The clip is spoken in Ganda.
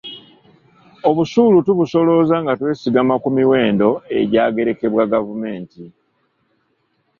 Obusuulu tubusolooza nga twesigama ku miwendo egyagerekebwa gavumenti.